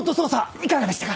いかがでしたか？